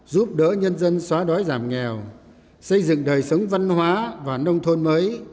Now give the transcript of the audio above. giúp đỡ nhân dân xóa đói giảm nghèo xây dựng đời sống văn hóa và nông thôn mới